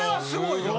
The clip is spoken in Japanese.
すごい。